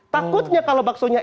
takutnya kalau baksonya